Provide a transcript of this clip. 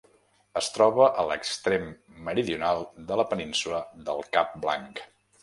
Es troba a l'extrem meridional de la península del Cap Blanc.